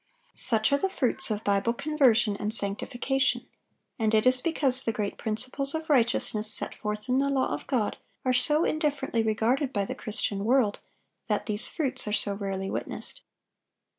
(831) Such are the fruits of Bible conversion and sanctification; and it is because the great principles of righteousness set forth in the law of God are so indifferently regarded by the Christian world, that these fruits are so rarely witnessed.